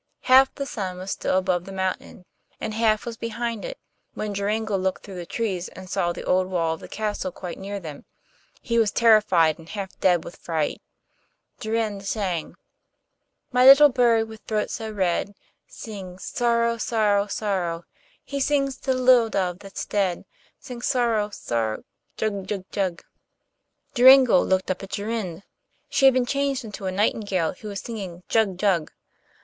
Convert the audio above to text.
Half the sun was still above the mountain and half was behind it when Joringel looked through the trees and saw the old wall of the castle quite near them. He was terrified and half dead with fright. Jorinde sang: 'My little bird with throat so red Sings sorrow, sorrow, sorrow; He sings to the little dove that's dead, Sings sorrow, sor jug, jug, jug.' Joringel looked up at Jorinde. She had been changed into a nightingale, who was singing 'jug, jug.